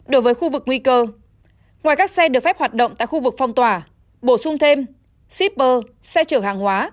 đối với khu vực nguy cơ ngoài các xe được phép hoạt động tại khu vực phong tỏa bổ sung thêm shipper xe chở hàng hóa